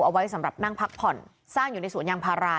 เอาไว้สำหรับนั่งพักผ่อนสร้างอยู่ในสวนยางพารา